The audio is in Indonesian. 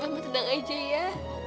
udah mama tenang aja ya